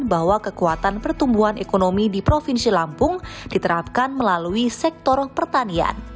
bahwa kekuatan pertumbuhan ekonomi di provinsi lampung diterapkan melalui sektor pertanian